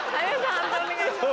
判定お願いします。